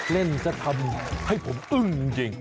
เล่นซะทำให้ผมอึ้งจริง